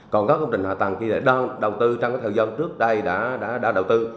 còn có công trình hạ tầng khi đầu tư trong thời gian trước đây đã đầu tư